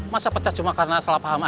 masa pecat cuma karena salah paham aja